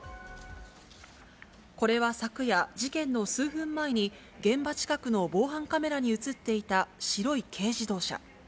これは昨夜、事件の数分前に、現場近くの防犯カメラに写っていた白い軽自動車。